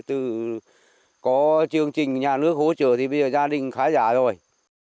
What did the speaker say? từ có chương trình nhà nước hỗ trợ thì bây giờ gia đình khá giả rồi